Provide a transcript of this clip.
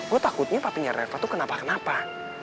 gue takutnya papinya reva tuh kenapa kenapa